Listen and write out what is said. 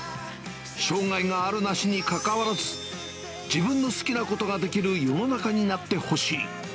障がいがあるなしにかかわらず、自分の好きなことができる世の中になってほしい。